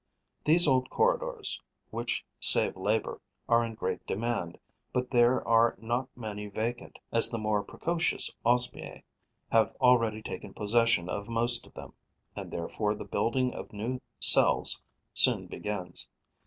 These old corridors, which save labour, are in great demand; but there are not many vacant, as the more precocious Osmiae have already taken possession of most of them; and therefore the building of new cells soon begins.